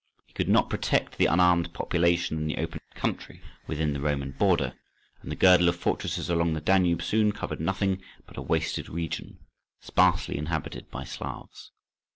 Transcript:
He could not protect the unarmed population in the open country within the Roman boundary, and the girdle of fortresses along the Danube soon covered nothing but a wasted region, sparsely inhabited by Slavs.